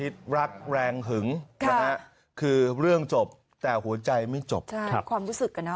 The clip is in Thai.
ศาลภาพหรอ